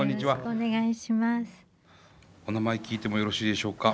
お名前聞いてもよろしいでしょうか？